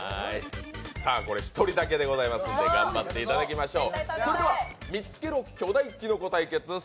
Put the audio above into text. これ、１人だけでございますんで、頑張っていただきましょう。